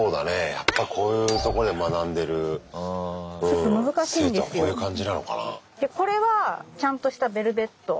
やっぱこういうとこで学んでる生徒はこういう感じなのかな？